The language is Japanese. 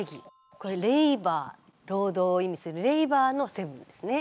これレイバー労働を意味するレイバーの７ですね。